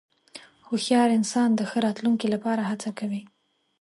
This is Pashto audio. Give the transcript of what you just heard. هوښیار انسان د ښه راتلونکې لپاره هڅه کوي.